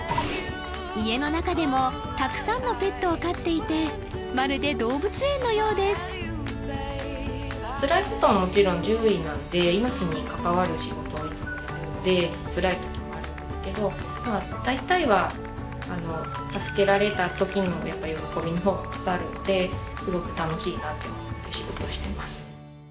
家の中でもたくさんのペットを飼っていてまるで動物園のようですつらいことはもちろん獣医なんで命に関わる仕事をいつもやるのでつらいときもあるんですけどまあ大体は助けられたときのやっぱ喜びの方が勝るのですごく楽しいなって思って仕事してます